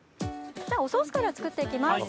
おソースから作って行きます。